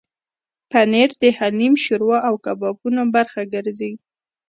پنېر د حلیم، شوروا او کبابو برخه ګرځي.